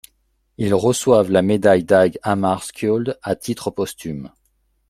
Ils reçoivent la médaille Dag Hammarskjöld à titre posthume.